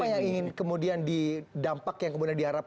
apa yang ingin kemudian didampak yang kemudian diharapkan